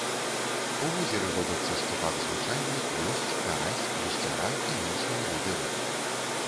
У возеры водзяцца шчупак звычайны, лешч, карась, гусцяра і іншыя віды рыб.